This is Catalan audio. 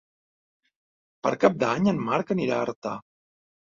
Per Cap d'Any en Marc anirà a Artà.